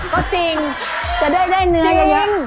ก็จริงจริง